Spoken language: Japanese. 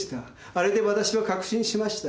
あれでわたしは確信しました。